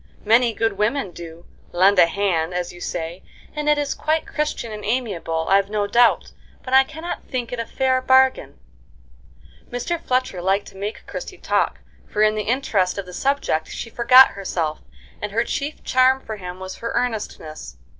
Many good women do 'lend a hand,' as you say, and it is quite Christian and amiable, I've no doubt; but I cannot think it a fair bargain." Mr. Fletcher liked to make Christie talk, for in the interest of the subject she forgot herself, and her chief charm for him was her earnestness.